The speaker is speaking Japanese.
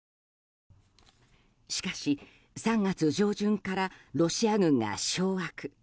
しかし３月上旬からロシア軍が掌握。